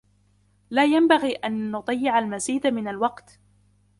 لا ينبغي أن نضيع المزيد من الوقت.